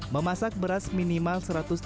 memasak beras minimal